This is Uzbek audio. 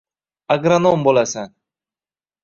Agronom bo’lasan.